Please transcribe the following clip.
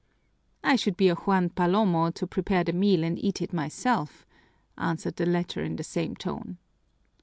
"I should be a Juan Palomo, to prepare the meal and eat it myself," answered the latter in the same tone.